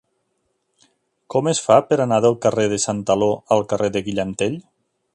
Com es fa per anar del carrer de Santaló al carrer de Guillem Tell?